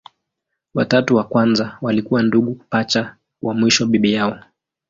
Watatu wa kwanza walikuwa ndugu pacha, wa mwisho bibi yao.